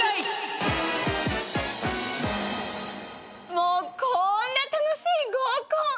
もうこんな楽しい合コン。